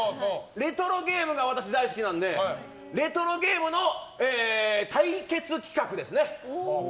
レトロゲームが私、大好きなのでレトロゲームの対決企画です。